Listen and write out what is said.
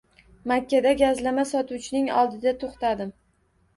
Makkada gazlama sotuvchining olidida toʻxtadim.